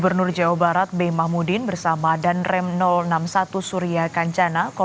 re refresh bareng agar tidak kaca kaca